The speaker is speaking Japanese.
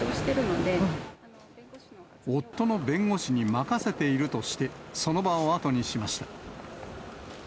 夫の弁護士に任せているとして、その場を後にしました。